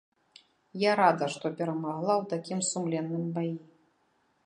Я рада, што перамагла ў такім сумленным баі.